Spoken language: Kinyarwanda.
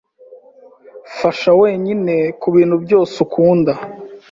Fasha wenyine kubintu byose ukunda.